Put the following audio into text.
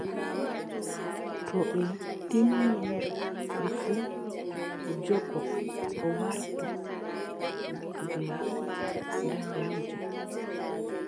To ɓe timmini e fuu, o jogo o warto ɓe daneejo.